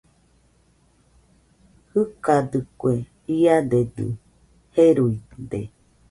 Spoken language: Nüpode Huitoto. Jɨkadɨkue, iadedɨ jeruide